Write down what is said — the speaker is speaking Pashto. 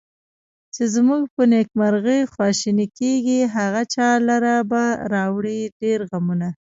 چې زمونږ په نیکمرغي خواشیني کیږي، هغه چا لره به راوړي ډېر غمونه